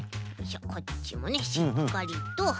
こっちもねしっかりと。